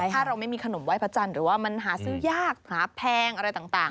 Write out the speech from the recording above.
ถ้าเราไม่มีขนมไห้พระจันทร์หรือว่ามันหาซื้อยากหาแพงอะไรต่าง